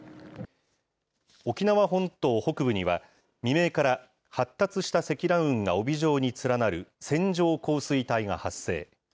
沖縄本島北部には、未明から、発達した積乱雲が帯状に連なる線状降水帯が発生。